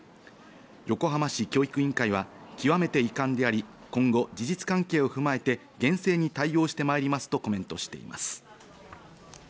横浜市教育委員会は極めて遺憾であり今後、事実関係を踏まえて厳正に対応して参りますとコメントしています。